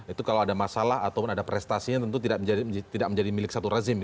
itu kalau ada masalah ataupun ada prestasinya tentu tidak menjadi milik satu rezim